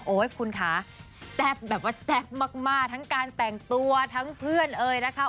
โอ้ยคุณคะแบบว่าแสบมากทั้งการแต่งตัวทั้งเพื่อนเลยนะคะ